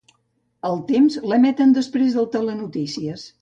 El Temps l'emeten després del Telenotícies.